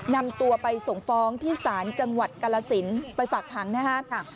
นำตัวไปส่งฟ้องที่ศาลจังหวัดกาลสินไปฝากขังนะครับ